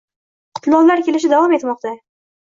Qutlovlar kelishi davom etmoqda